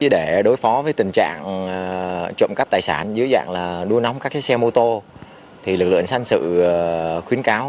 để đối phó với tình trạng trộm cắp tài sản dưới dạng đua nóng các xe mô tô lực lượng xanh sự khuyến cáo